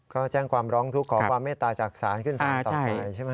ก็แจ้งความร้องทุกข์ขอความเมตตาจากศาลขึ้นศาลต่อไปใช่ไหม